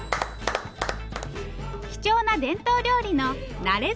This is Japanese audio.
貴重な伝統料理のなれずしも！